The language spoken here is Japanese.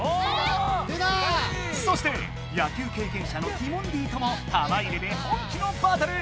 そして野球経験者のティモンディとも玉入れで本気のバトル！